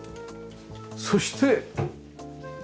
そして。